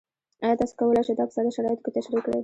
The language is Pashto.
ایا تاسو کولی شئ دا په ساده شرایطو کې تشریح کړئ؟